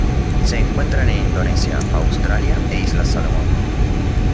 Se encuentran en Indonesia, Australia e Islas Salomón.